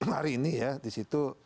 hari ini ya di situ